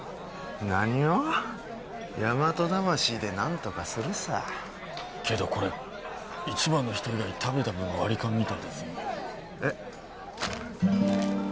何を大和魂で何とかするさけどこれ一番の人以外食べた分割り勘みたいですよえッ？